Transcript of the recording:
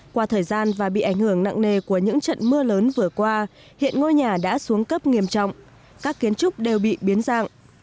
qua thời gian và bị ảnh hưởng nặng nề của những trận mưa lớn vừa qua hiện ngôi nhà đã xuống cấp nghiêm trọng các kiến trúc đều bị biến dạng